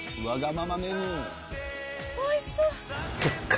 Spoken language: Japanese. おいしそう！